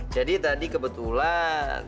jadi tadi kebetulan